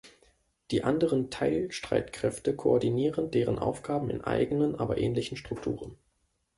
Die anderen Teilstreitkräfte koordinieren deren Aufgaben in eigenen, aber ähnlichen Strukturen.